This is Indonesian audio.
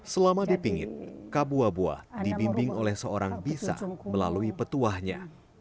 selama dipingit kabua buah dibimbing oleh seorang bisa melalui petuahnya